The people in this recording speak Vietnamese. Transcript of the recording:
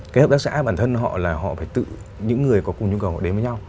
cái hợp tác xã bản thân họ là họ phải tự những người có cùng nhu cầu họ đếm với nhau